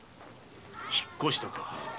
引っ越した。